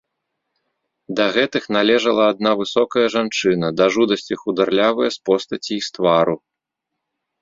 Да гэтых належала адна высокая жанчына, да жудасці хударлявая з постаці і з твару.